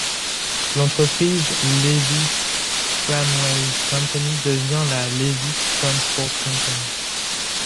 L'entreprise Lévis Tramways Company devient la Lévis Transport Company.